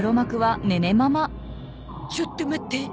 ちょっと待って。